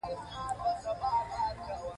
د سیند له یوې څپې سره د اوبو له پاسه.